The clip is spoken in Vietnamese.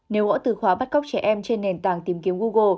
nếu gõ từ khóa bắt cóc trẻ em trên nền tảng tìm kiếm google